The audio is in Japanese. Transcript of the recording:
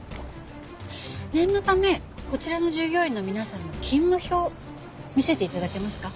念のためこちらの従業員の皆さんの勤務表見せて頂けますか？